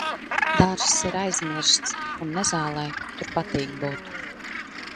Dārzs ir aizmirsts un nezālei tur patīk būt.